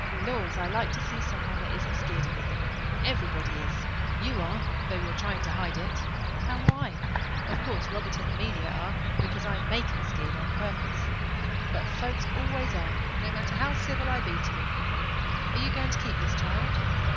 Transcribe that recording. "Laws I like to see some one that isn't skeered of me. Everybody is you are, though you're trying to hide it. And why? Of course Robert and Amelia are because I make 'em skeered on purpose. But folks always are no matter how civil I be to them. Are you going to keep this child?"